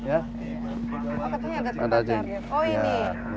oh katanya ada charger